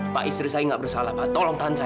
pak istri saya nggak bersalah pak tolong kan saya